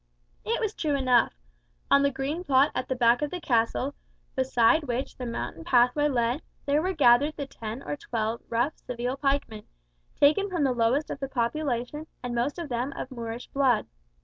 It was true enough. On the green plot at the back of the castle, beside which the mountain pathway led, there were gathered the ten or twelve rough Seville pikemen, taken from the lowest of the population, and most of them of Moorish blood.